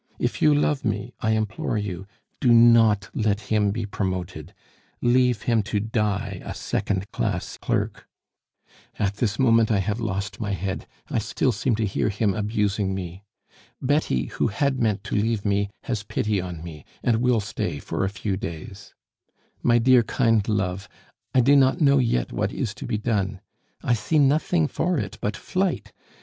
If you love me, I implore you, do not let him be promoted; leave him to die a second class clerk. "At this moment I have lost my head; I still seem to hear him abusing me. Betty, who had meant to leave me, has pity on me, and will stay for a few days. "My dear kind love, I do not know yet what is to be done. I see nothing for it but flight.